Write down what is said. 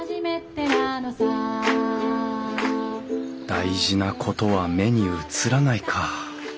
「大事なことは目に映らない」か。